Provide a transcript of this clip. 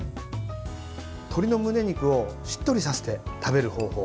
鶏のむね肉をしっとりさせて食べる方法